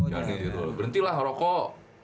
jangan ditiru berhenti lah ngerokok